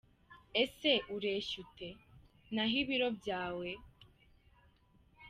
Ese ureshya ute? Naho ibiro byawe?.